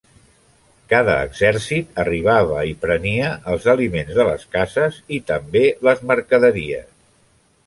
Cada exèrcit arribava i prenia els aliments de les cases i també les mercaderies.